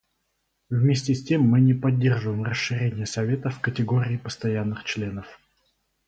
Вместе с тем мы не поддерживаем расширение Совета в категории постоянных членов.